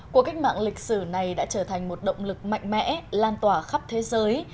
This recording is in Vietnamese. cuộc cách mạng lịch sử này đã trở thành một động lực mạnh mẽ lan tỏa khắp thế giới